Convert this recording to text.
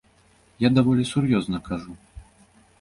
Я даволі сур'ёзна кажу.